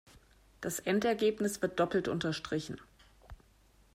Das Endergebnis wird doppelt unterstrichen.